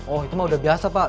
oh itu mah udah biasa pak